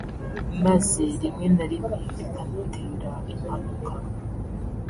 maze rimwe na rimwe bikanatera impanuka